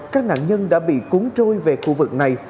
các nạn nhân đã bị cuốn trôi về khu vực này